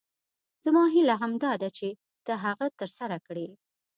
زما هیله همدا ده چې ته هغه تر سره کړې.